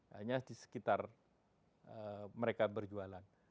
hanya di sekitar mereka berjualan